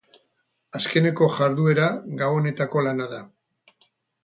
Azkeneko jarduera gabonetako lana da.